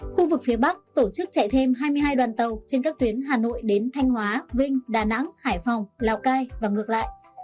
khu vực phía bắc tổ chức chạy thêm hai mươi hai đoàn tàu trên các tuyến hà nội đến thanh hóa vinh đà nẵng hải phòng lào cai và ngược lại